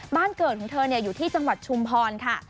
บ้านเกิดของเธออยู่ที่จังหวัดชุมพรค่ะ